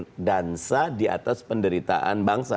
dansa di atas penderitaan bangsa